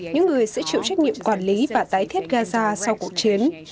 những người sẽ chịu trách nhiệm quản lý và tái thiết gaza sau cuộc chiến